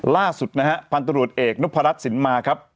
ล่าสุดนะครับ